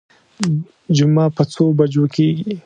جمعه په څو بجو کېږي.